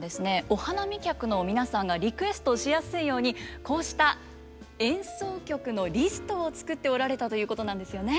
お花見客の皆さんがリクエストしやすいようにこうした演奏曲のリストを作っておられたということなんですよね。